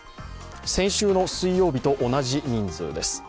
先週の水曜日と同じ人数です。